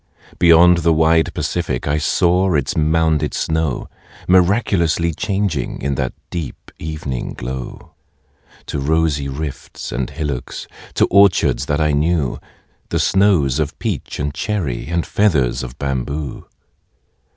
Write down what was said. Beyond the wide Pacific I saw its mounded snow Miraculously changing In that deep evening glow, To rosy rifts and hillocks, To orchards that I knew, The snows or peach and cherry, And feathers of bamboo.